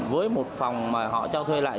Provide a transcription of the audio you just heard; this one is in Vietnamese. với một phòng mà họ cho thuê lại